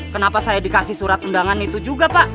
kenapa saya dikasih surat undangan itu juga pak